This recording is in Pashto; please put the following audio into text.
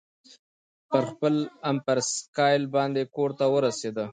پر خپل امبرسایکل باندې کورته ورسېد.